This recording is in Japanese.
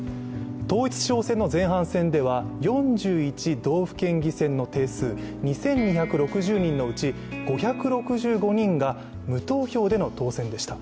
統一地方選の前半戦では４１道府県議選の定数２２６０人のうち５６５人が無投票での当選でした。